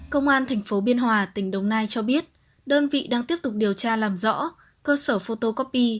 công an thành phố biên hòa tỉnh đồng nai cho biết đơn vị đang tiếp tục điều tra làm rõ cơ sở photocopy